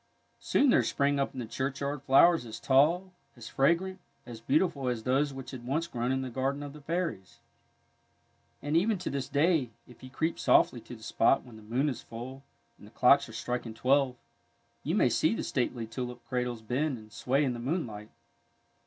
Soon there sprang up in the churchyard flowers as tall, as fragrant, as beautiful as those which had once grown in the garden of the fairies. And even to this day, if you creep softly to the spot when the moon is full and the clocks are striking twelve, you may see the stately tulip cradles bend and sway in the moonlight.